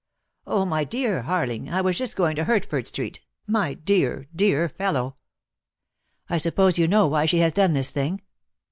"Oh, my dear Harling, I was just going to Hert ford Street — my dear, dear fellow!" "I suppose you know why she has done this thing?"